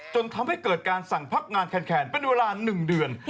จนทำให้เกิดการสั่งพักงานแคนเป็นเวลา๑เดือน